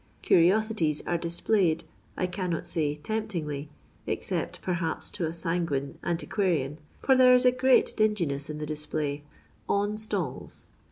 Curiosities are displayed, I cannot say tempt ingly (except perhaps to a sanguine antiquarian), for there is a great dinginess in the display, on stalls.